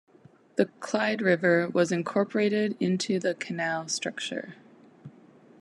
The Clyde River was incorporated into the canal structure.